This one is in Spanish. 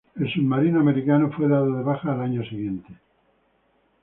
El submarino americano fue dado de baja al año siguiente.